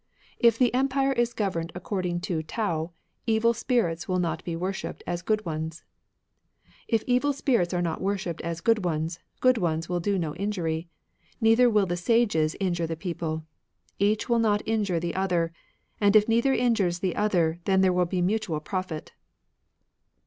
" n the empire is governed according to Tao, evil spirits will not be worshipped as good ones. ^^If evil spirits are not worshipped as good ones, good ones will do no injury. Neither will the Sages injure the people. Each will not injure the other. And if neither injures the other, then there will be mutual profit."